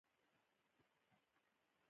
زه د نورو بریاوو ته خوشحالیږم.